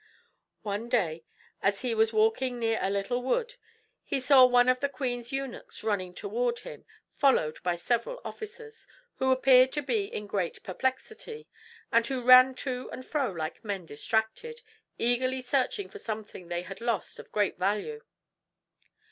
One day, as he was walking near a little wood, he saw one of the queen's eunuchs running toward him, followed by several officers, who appeared to be in great perplexity, and who ran to and fro like men distracted, eagerly searching for something they had lost of great value.